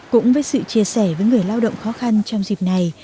cũng với sự chia sẻ với người lao động khó khăn trong dịp này